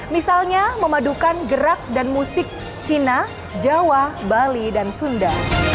misalnya memadukan gerak dan musik cina jawa bali dan sunda